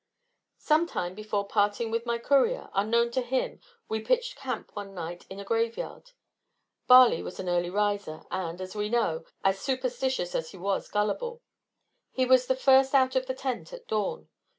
Sometime before parting with my courier, unknown to him we pitched camp one dark night in a graveyard. Barley was an early riser, and, as we know, as superstitious as he was gullible. He was the first out of the tent at dawn.